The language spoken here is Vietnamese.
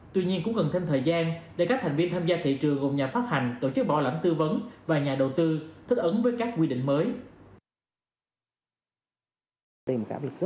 tuy nhiên cũng cần thêm thời gian để các thành viên tham gia thị trường gồm nhà phát hành tổ chức bảo lãnh tư vấn và nhà đầu tư thích ứng với các quy định mới